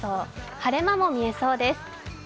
晴れ間も見えそうです。